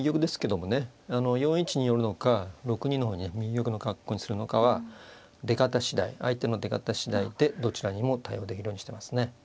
４一に寄るのか６二の方に右玉の格好にするのかは出方しだい相手の出方しだいでどちらにも対応できるようにしてますね。